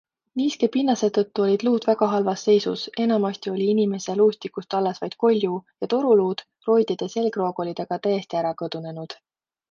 Niiske pinnase tõttu olid luud väga halvas seisus, enamasti oli inimese luustikust alles vaid kolju ja toruluud, roided ja selgroog olid aga täiesti ära kõdunenud.